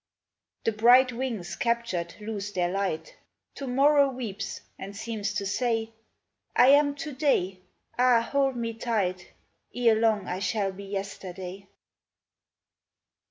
The bright wings captured lose their light : To morrow weeps, and seems to say, " I am To day, ah, hold me tight ! Erelong I shall be Yesterday."